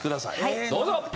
どうぞ！